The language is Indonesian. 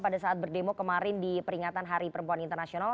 pada saat berdemo kemarin di peringatan hari perempuan internasional